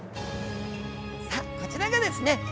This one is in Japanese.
さあこちらがですね